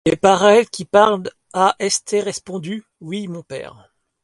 Et par elle qui parle ha esté respondu: Oui, mon père.